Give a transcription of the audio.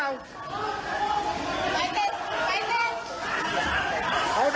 ไฟลุกไฟลุก